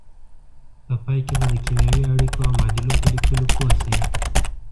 په پای کې به د کیمیاوي اړیکو او معادلو په لیکلو پوه شئ.